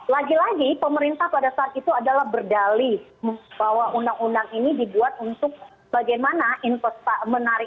lagi lagi pemerintah pada saat itu adalah berdali bahwa undang undang ini dibuat untuk bagaimana menarik